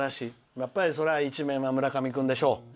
やっぱり、１面は村上君でしょう。